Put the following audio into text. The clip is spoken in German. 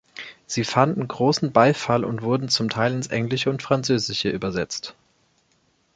Sie fanden großen Beifall und wurden zum Teil ins Englische und Französische übersetzt.